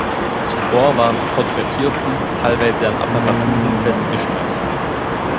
Zuvor waren die Porträtierten teilweise an Apparaturen festgeschnallt.